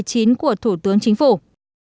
của thủ tướng chính phủ